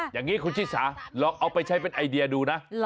อย่างนี้คุณชิสาลองเอาไปใช้เป็นไอเดียดูนะ